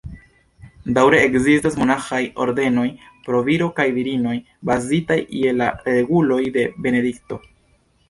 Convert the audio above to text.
Daŭre ekzistas monaĥaj ordenoj, por viroj kaj virinoj, bazitaj je la reguloj de Benedikto.